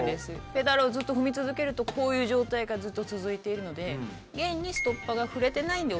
ペダルをずっと踏み続けるとこういう状態がずっと続いているので。